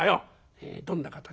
「へえどんな形？